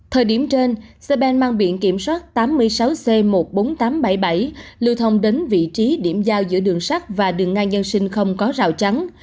thời điểm trên xe ben mang biển kiểm soát tám mươi sáu c một mươi bốn nghìn tám trăm bảy mươi bảy lưu thông đến vị trí điểm giao giữa đường sắt và đường ngang dân sinh không có rào chắn